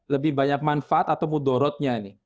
lebih banyak manfaat atau mudorotnya ini